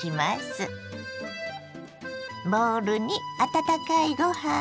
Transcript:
ボウルに温かいご飯